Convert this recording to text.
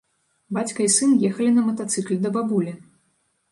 Бацька і сын ехалі на матацыкле да бабулі.